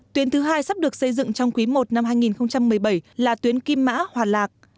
tuyến thứ hai sắp được xây dựng trong quý i năm hai nghìn một mươi bảy là tuyến kim mã hòa lạc